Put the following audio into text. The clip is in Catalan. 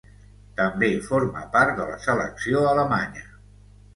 També forma part de la selecció alemanya.